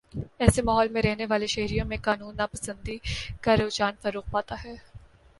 ایسے ماحول میں رہنے والے شہریوں میں قانون ناپسندی کا رجحان فروغ پاتا ہے